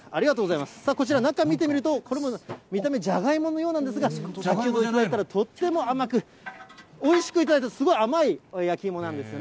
さあ、こちら中見てみると、これも見た目、じゃがいものようなんですが、先ほど頂いたらとっても甘く、おいしく頂いて、すごい甘い焼き芋なんですよね。